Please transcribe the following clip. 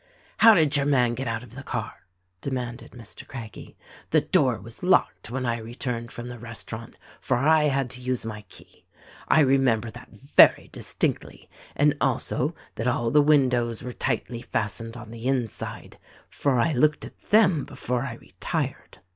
"How did your man get out of the car?" demanded Mr. Craggie. "The door was locked when I returned from the restaurant, for I had to use my key. I remember that very distinctly, and also that all the windows were tightly fast ened on the inside — for I looked at them before I retired."